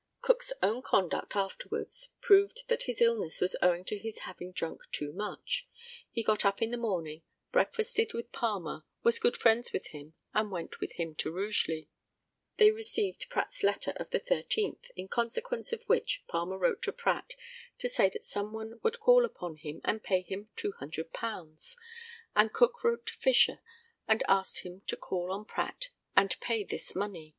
] Cook's own conduct afterwards proved that his illness was owing to his having drunk too much. He got up in the morning, breakfasted with Palmer, was good friends with him, and went with him to Rugeley. At Rugeley they received Pratt's letter of the 13th, in consequence of which Palmer wrote to Pratt to say that some one would call upon him and pay him £200, and Cook wrote to Fisher and asked him to call on Pratt and pay this money.